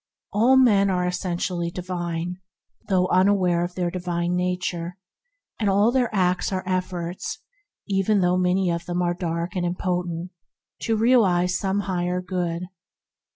All men are essentially divine, though unaware of their divine nature, and all their acts are efforts, even though many of them are dark and impotent, to realize some higher good.